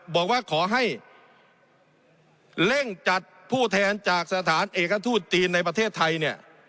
บอกว่าขอให้เร่งจัดผู้แทนจากสถานเอกทูตจีนในประเทศไทยเนี่ย